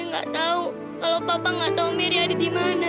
mary gak tau kalau papa gak tau mary ada di mana